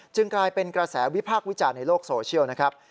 กลายเป็นกระแสวิพากษ์วิจารณ์ในโลกโซเชียลนะครับ